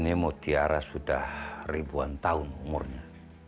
ini mutiara sudah ribuan tahun umurnya